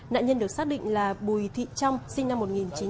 nạn nhân được xác định là bùi thị trong sinh năm một nghìn chín trăm sáu mươi năm